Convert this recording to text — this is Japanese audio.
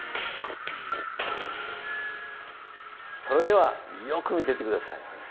それではよく見てて下さい。